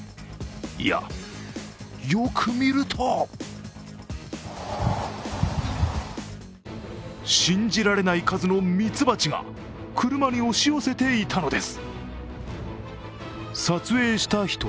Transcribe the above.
いや、よく見ると信じられない数のみつばちが車に押し寄せていたのです。